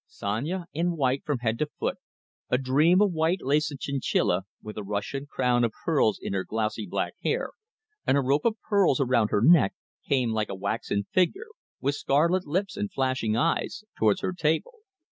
Sonia, in white from head to foot, a dream of white lace and chinchilla, with a Russian crown of pearls in her glossy black hair, and a rope of pearls around her neck, came like a waxen figure, with scarlet lips and flashing eyes, towards her table.